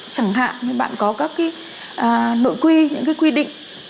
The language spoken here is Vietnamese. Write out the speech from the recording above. chẳng hạn như bạn có các cái nội quy những cái quy định